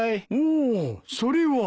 おおそれは。